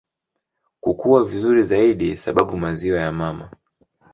kukua vizuri zaidi sababu maziwa ya mama